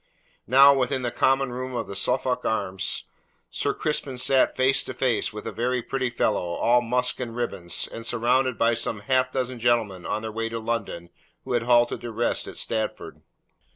Now, within the common room of the Suffolk Arms Sir Crispin sat face to face with a very pretty fellow, all musk and ribbons, and surrounded by some half dozen gentlemen on their way to London who had halted to rest at Stafford.